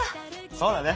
そうだね。